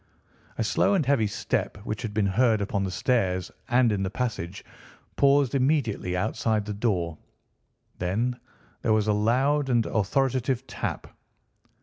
A slow and heavy step, which had been heard upon the stairs and in the passage, paused immediately outside the door. Then there was a loud and authoritative tap.